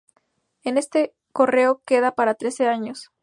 En este correo quede para trece años.